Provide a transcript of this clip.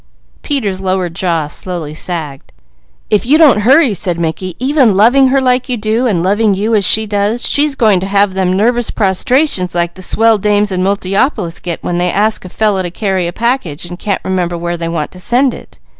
Peter's lower jaw slowly sagged. "If you don't hurry," said Mickey, "even loving her like you do, and loving you as she does, she's going to have them nervous prostrations like the Swell Dames in Multiopolis get when they ask a fellow to carry a package, and can't remember where they want to send it.